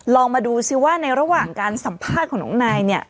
ลองมาดูซิว่าในระหว่างการสัมภาษณ์ของน้องนายเนี่ย